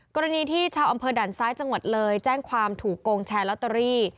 กรณีที่ชาวอำเภอด่านซ้ายจังหวัดเลยแจ้งความถูกโกงแชร์ลอตเตอรี่